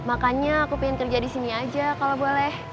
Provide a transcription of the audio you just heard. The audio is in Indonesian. makanya aku pengen kerja di sini aja kalau boleh